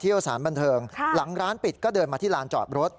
สารบันเทิงหลังร้านปิดก็เดินมาที่ลานจอดรถ